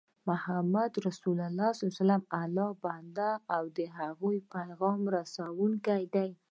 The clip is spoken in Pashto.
محمد رسول الله دالله ج بنده او د د هغه پیغام رسوونکی دی